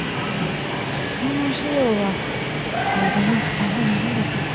その費用は工場の負担になるんでしょうか？